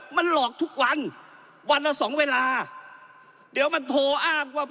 มันหลอกทุกวันวันละสองเวลาเดี๋ยวมันโทรอ้างว่า